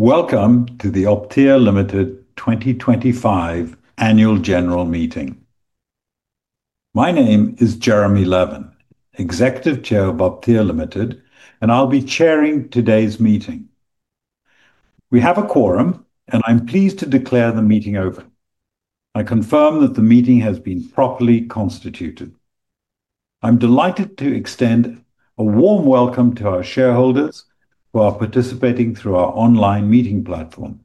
Welcome to the Opthea Limited 2025 annual general meeting. My name is Jeremy Levin, Executive Chair of Opthea Limited, and I'll be chairing today's meeting. We have a quorum, and I'm pleased to declare the meeting open. I confirm that the meeting has been properly constituted. I'm delighted to extend a warm welcome to our shareholders who are participating through our online meeting platform.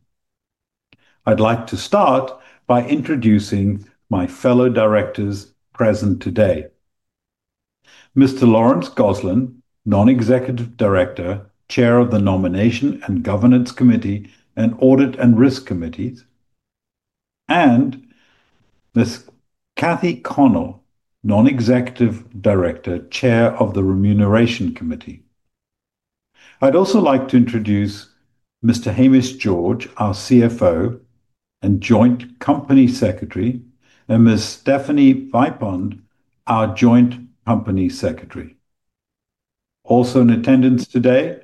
I'd like to start by introducing my fellow directors present today: Mr. Lawrence Gozlan, Non-Executive Director, Chair of the Nomination and Governance Committee and Audit and Risk Committees, and Ms. Kathy Connell, Non-Executive Director, Chair of the Remuneration Committee. I'd also like to introduce Mr. Hamish George, our CFO and Joint Company Secretary, and Ms. Stephanie Vipond, our Joint Company Secretary. Also in attendance today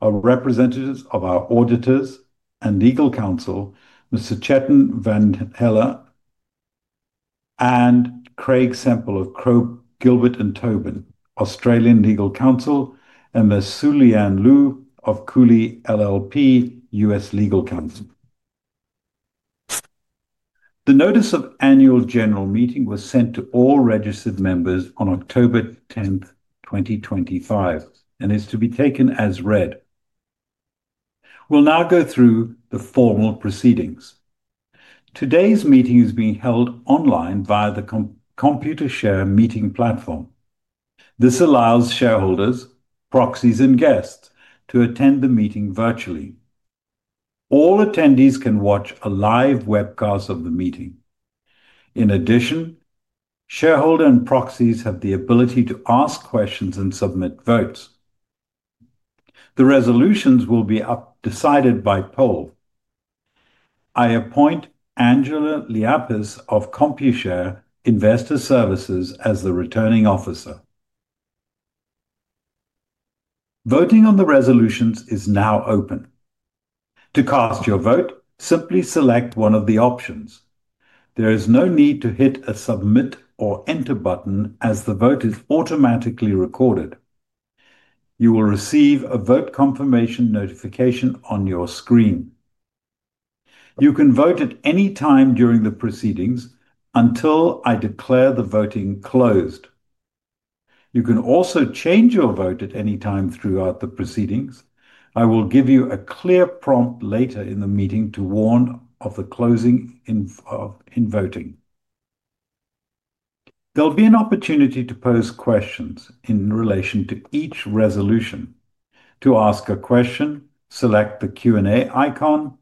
are representatives of our auditors and legal counsel, Mr. Chetan Vaghela and Craig Semple of Gilbert + Tobin, Australian Legal Counsel, and Ms. Su Lian Lu of Cooley LLP, U.S. Legal Counsel. The notice of Annual General Meeting was sent to all registered members on October 10, 2025, and is to be taken as read. We'll now go through the formal proceedings. Today's meeting is being held online via the Computershare Meeting platform. This allows shareholders, proxies, and guests to attend the meeting virtually. All attendees can watch a live webcast of the meeting. In addition, shareholders and proxies have the ability to ask questions and submit votes. The resolutions will be decided by poll. I appoint Angela Liapis of Computershare Investor Services as the returning officer. Voting on the resolutions is now open. To cast your vote, simply select one of the options. There is no need to hit a Submit or Enter button, as the vote is automatically recorded. You will receive a vote confirmation notification on your screen. You can vote at any time during the proceedings until I declare the voting closed. You can also change your vote at any time throughout the proceedings. I will give you a clear prompt later in the meeting to warn of the closing in voting. There'll be an opportunity to pose questions in relation to each resolution. To ask a question, select the Q&A icon.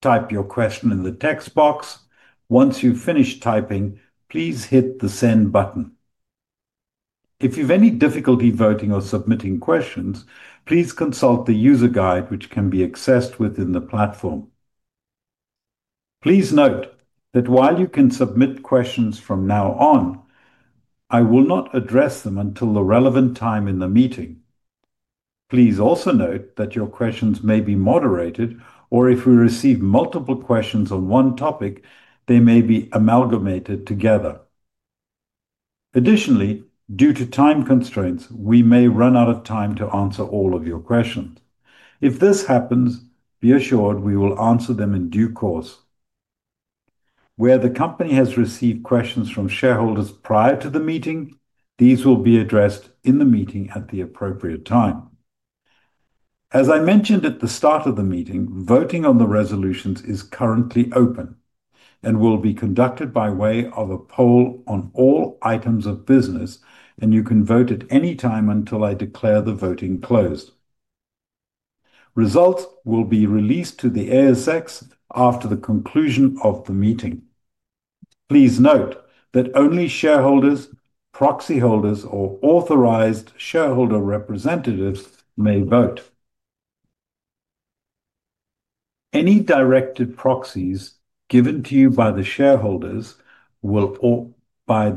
Type your question in the text box. Once you've finished typing, please hit the Send button. If you have any difficulty voting or submitting questions, please consult the user guide, which can be accessed within the platform. Please note that while you can submit questions from now on, I will not address them until the relevant time in the meeting. Please also note that your questions may be moderated, or if we receive multiple questions on one topic, they may be amalgamated together. Additionally, due to time constraints, we may run out of time to answer all of your questions. If this happens, be assured we will answer them in due course. Where the company has received questions from shareholders prior to the meeting, these will be addressed in the meeting at the appropriate time. As I mentioned at the start of the meeting, voting on the resolutions is currently open and will be conducted by way of a poll on all items of business, and you can vote at any time until I declare the voting closed. Results will be released to the ASX after the conclusion of the meeting. Please note that only shareholders, proxy holders, or authorized shareholder representatives may vote. Any directed proxies given to you by the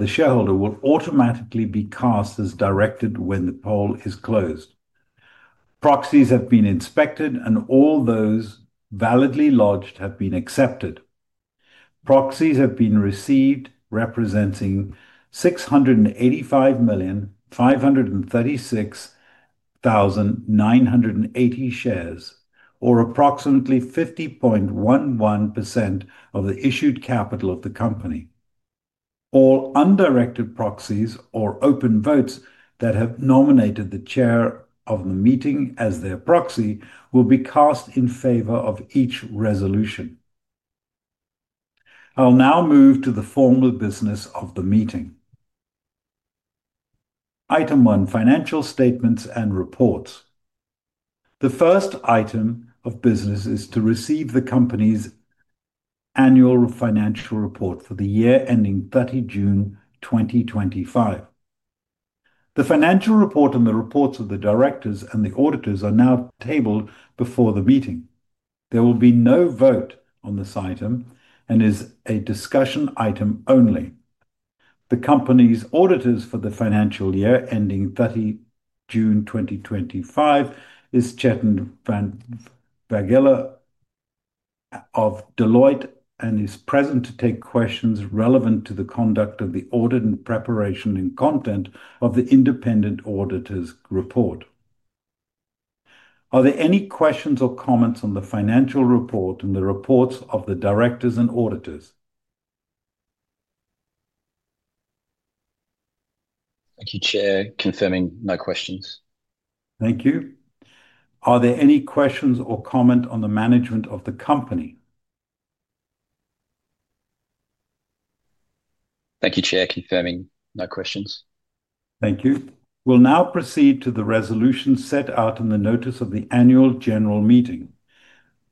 shareholder will automatically be cast as directed when the poll is closed. Proxies have been inspected, and all those validly lodged have been accepted. Proxies have been received representing 685,536,980 shares, or approximately 50.11% of the issued capital of the company. All undirected proxies or open votes that have nominated the chair of the meeting as their proxy will be cast in favor of each resolution. I'll now move to the formal business of the meeting. Item 1, Financial Statements and Reports. The first item of business is to receive the company's annual financial report for the year ending 30 June 2025. The financial report and the reports of the directors and the auditors are now tabled before the meeting. There will be no vote on this item and is a discussion item only. The company's auditors for the financial year ending 30 June 2025 is Chetan Vaghela of Deloitte and is present to take questions relevant to the conduct of the audit and preparation and content of the independent auditor's report. Are there any questions or comments on the financial report and the reports of the directors and auditors? Thank you, Chair. Confirming no questions. Thank you. Are there any questions or comment on the management of the company? Thank you, Chair. Confirming no questions. Thank you. We'll now proceed to the resolution set out in the notice of the annual general meeting.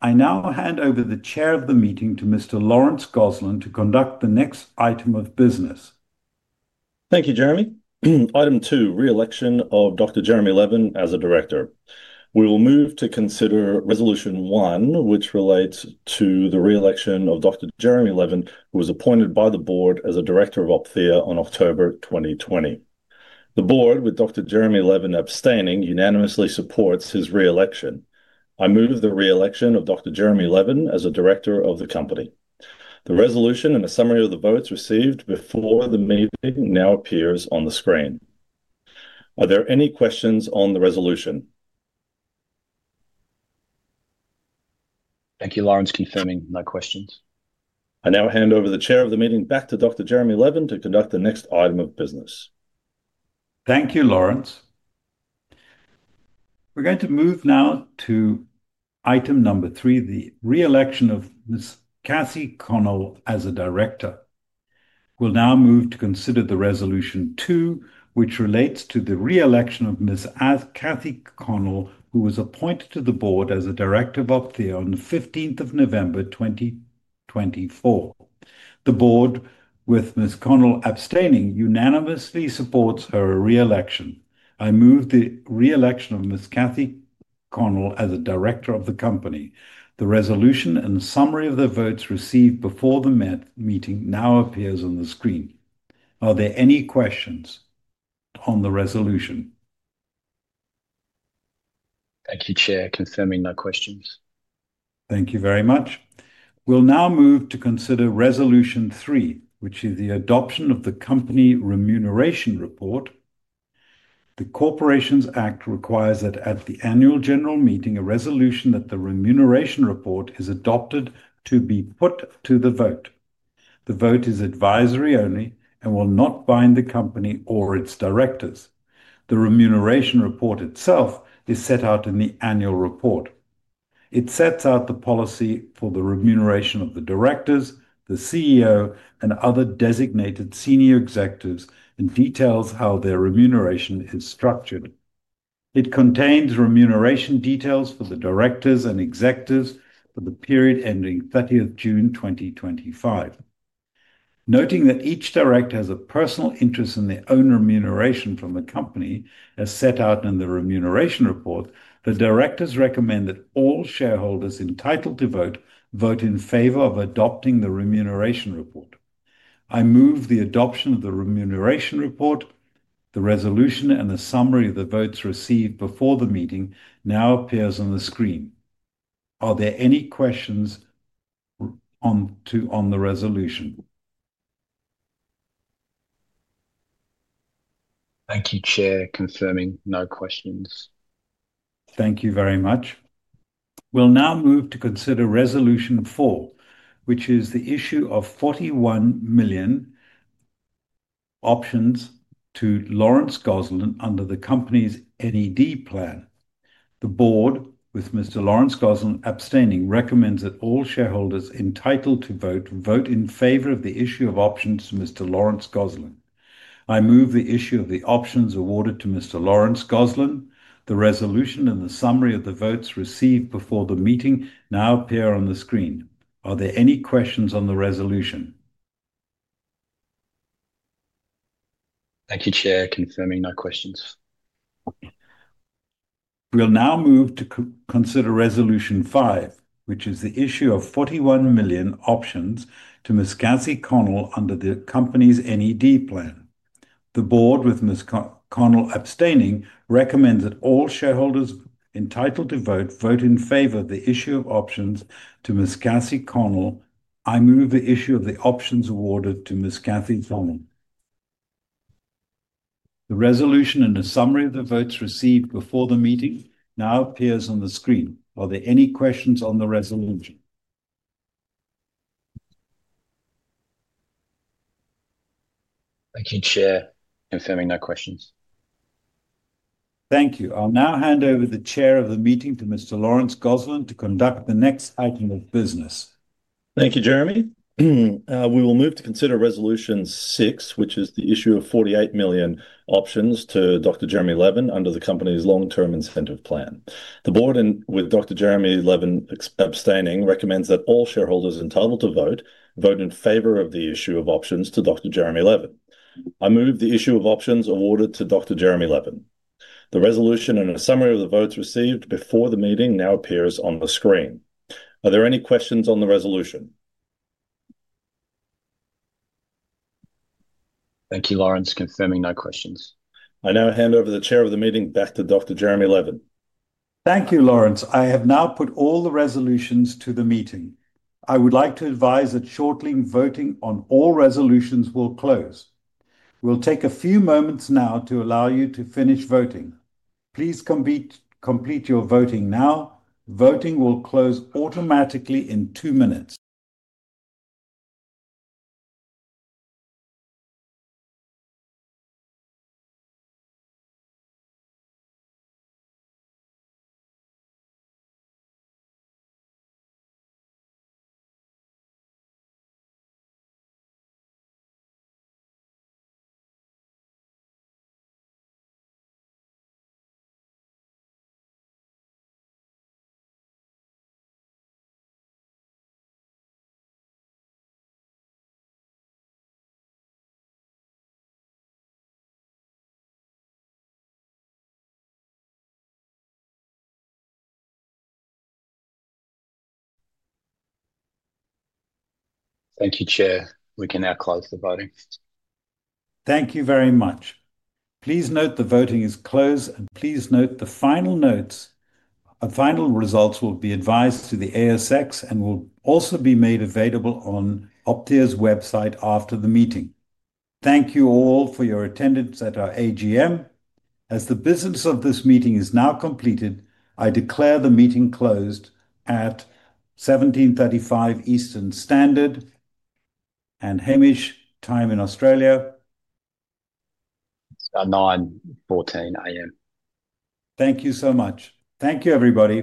I now hand over the Chair of the meeting to Mr. Lawrence Gozlan to conduct the next item of business. Thank you, Jeremy. Item 2, Re-election of Dr. Jeremy Levin as a director. We will move to consider Resolution 1, which relates to the re-election of Dr. Jeremy Levin, who was appointed by the board as a director of Opthea on October 2020. The board, with Dr. Jeremy Levin abstaining, unanimously supports his re-election. I move the re-election of Dr. Jeremy Levin as a director of the company. The resolution and a summary of the votes received before the meeting now appears on the screen. Are there any questions on the resolution? Thank you, Lawrence. Confirming no questions. I now hand over the Chair of the meeting back to Dr. Jeremy Levin to conduct the next item of business. Thank you, Lawrence. We're going to move now to Item 3, the re-election of Ms. Kathy Connell as a director. We'll now move to consider Resolution 2, which relates to the re-election of Ms. Kathy Connell, who was appointed to the board as a director of Opthea on 15 November 2024. The board, with Ms. Connell abstaining, unanimously supports her re-election. I move the re-election of Ms. Kathy Connell as a director of the company. The resolution and summary of the votes received before the meeting now appears on the screen. Are there any questions on the resolution? Thank you, Chair. Confirming no questions. Thank you very much. We'll now move to consider Resolution 3, which is the adoption of the company remuneration report. The Corporations Act requires that at the Annual General Meeting, a resolution that the remuneration report is adopted to be put to the vote. The vote is advisory only and will not bind the company or its directors. The remuneration report itself is set out in the annual report. It sets out the policy for the remuneration of the directors, the CEO, and other designated senior executives and details how their remuneration is structured. It contains remuneration details for the directors and executives for the period ending 30 June 2025. Noting that each director has a personal interest in their own remuneration from the company as set out in the remuneration report, the directors recommend that all shareholders entitled to vote vote in favor of adopting the remuneration report. I move the adoption of the remuneration report, the resolution, and a summary of the votes received before the meeting now appears on the screen. Are there any questions on the resolution? Thank you, Chair. Confirming no questions. Thank you very much. We'll now move to consider Resolution 4, which is the issue of 41 million options to Lawrence Gozlan under the company's NED plan. The board, with Mr. Lawrence Gozlan abstaining, recommends that all shareholders entitled to vote vote in favor of the issue of options to Mr. Lawrence Gozlan. I move the issue of the options awarded to Mr. Lawrence Gozlan. The resolution and the summary of the votes received before the meeting now appear on the screen. Are there any questions on the resolution? Thank you, Chair. Confirming no questions. We'll now move to consider Resolution 5, which is the issue of 41 million options to Ms. Kathy Connell under the company's NED plan. The Board, with Ms. Connell abstaining, recommends that all shareholders entitled to vote vote in favor of the issue of options to Ms. Kathy Connell. I move the issue of the options awarded to Ms. Kathy Connell. The resolution and a summary of the votes received before the meeting now appears on the screen. Are there any questions on the resolution? Thank you, Chair. Confirming no questions. Thank you. I'll now hand over the chair of the meeting to Mr. Lawrence Gozlan to conduct the next item of business. Thank you, Jeremy. We will move to consider Resolution 6, which is the issue of 48 million options to Dr. Jeremy Levin under the company's long-term incentive plan. The Board, with Dr. Jeremy Levin abstaining, recommends that all shareholders entitled to vote vote in favor of the issue of options to Dr. Jeremy Levin. I move the issue of options awarded to Dr. Jeremy Levin. The resolution and a summary of the votes received before the meeting now appears on the screen. Are there any questions on the resolution? Thank you, Lawrence. Confirming no questions. I now hand over the chair of the meeting back to Dr. Jeremy Levin. Thank you, Lawrence. I have now put all the resolutions to the meeting. I would like to advise that shortly voting on all resolutions will close. We'll take a few moments now to allow you to finish voting. Please complete your voting now. Voting will close automatically in two minutes. Thank you, Chair. We can now close the voting. Thank you very much. Please note the voting is closed, and please note the final results will be advised to the ASX and will also be made available on Opthea's website after the meeting. Thank you all for your attendance at our AGM. As the business of this meeting is now completed, I declare the meeting closed at 5:35 P.M. Eastern Standard Time in Australia. It's now 9:14 A.M. Thank you so much. Thank you, everybody.